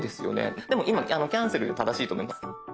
でも今キャンセルで正しいと思います。